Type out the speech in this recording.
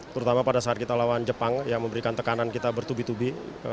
terutama pada saat kita lawan jepang yang memberikan tekanan kita bertubi tubi